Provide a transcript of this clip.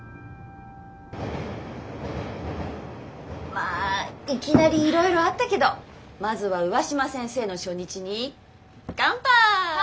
まあいきなりいろいろあったけどまずは上嶋先生の初日にかんぱい。